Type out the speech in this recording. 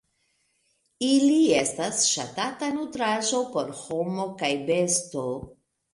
Ili estas ŝatata nutraĵo por homo kaj besto.